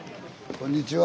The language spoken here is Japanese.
こんにちは。